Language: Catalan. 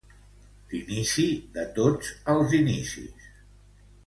L'inici de tots els inicis.